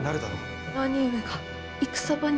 兄上が戦場に。